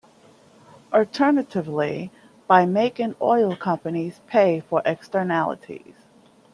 Alternatively, by making oil companies pay for externalities.